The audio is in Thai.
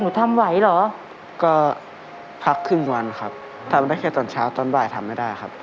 ทำไหวเหรอก็พักครึ่งวันครับทำได้แค่ตอนเช้าตอนบ่ายทำไม่ได้ครับ